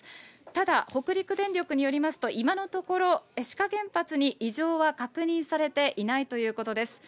ただ、北陸電力によりますと、今のところ、志賀原発に異常は確認されていないということです。